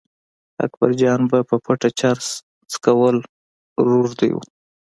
اکبرجان به په پټه چرس څښل روږدي و.